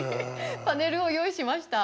パネルを用意しました。